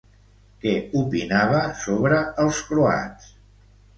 Què opinava sobre els croats?